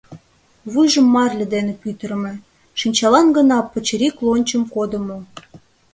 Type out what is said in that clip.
Вуйжым марле дене пӱтырымӧ, шинчалан гына пычырик лончым кодымо.